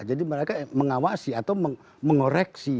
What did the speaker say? jadi mereka mengawasi atau mengoreksi